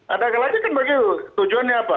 ada lagi kan bagi tujuannya apa